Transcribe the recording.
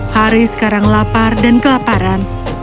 hari sekarang lapar dan kelaparan